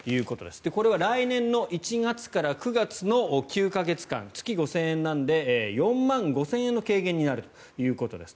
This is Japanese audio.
これは来年の１月から９月の９か月間月５０００円なので４万５０００円の軽減になるということです。